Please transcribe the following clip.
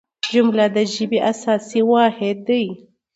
جمله د ژبي اساسي واحد دئ.